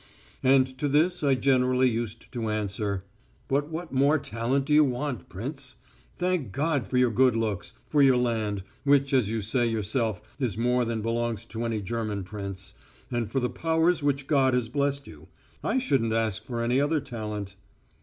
And to this I generally used to answer: "But what more talent do you want, prince? Thank God for your good looks, for your land which, as you say yourself, is more than belongs to any German prince and for the powers with which God has blessed you. I shouldn't ask for any other talent."